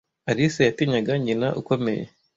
Alice yatinyaga nyina ukomeye.